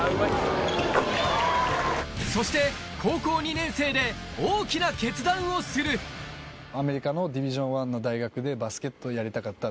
そして高校２年生で大きな決断をするをやりたかった。